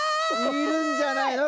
いるんじゃないの？